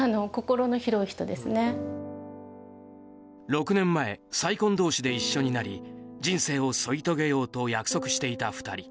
６年前、再婚同士で一緒になり人生を添い遂げようと約束していた２人。